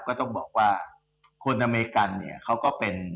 ก็ต้องบอกว่าคนอเมริกันเนี่ยเขาก็เป็น